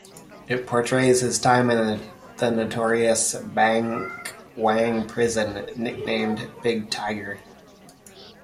It portrays his time in the notorious Bangkwang prison, nicknamed "Big Tiger".